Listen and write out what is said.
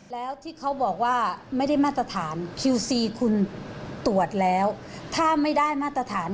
แล้วที่เขาบอกว่าไม่ได้มาตรฐานคิวซีคุณตรวจแล้วถ้าไม่ได้มาตรฐาน